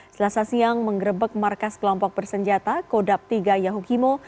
selasa siang menggerebek markas kelompok bersenjata kodap tiga yahukimo